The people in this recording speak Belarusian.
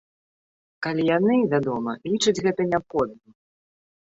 Калі яны, вядома, лічаць гэта неабходным.